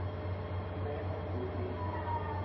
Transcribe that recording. Un bea no kútii.